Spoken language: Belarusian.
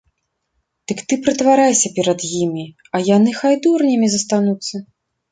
Дык ты прытварайся перад імі, а яны хай дурнямі застануцца.